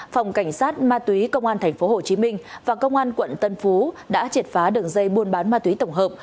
phòng cảnh sát ma túy công an tp hcm và công an quận tân phú đã triệt phá đường dây buôn bán ma túy tổng hợp